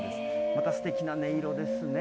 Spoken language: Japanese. またすてきな音色ですね。